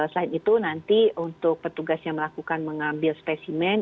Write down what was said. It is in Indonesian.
selain itu nanti untuk petugas yang melakukan mengambil spesimen